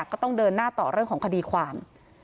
ก็ต้องเดินหน้าต่อเรื่องของคดีความ